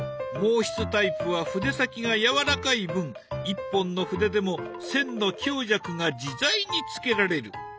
毛筆タイプは筆先がやわらかい分一本の筆でも線の強弱が自在につけられる。